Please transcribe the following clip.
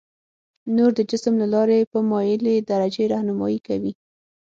نور د جسم له لارې په مایلې درجې رهنمایي کوي.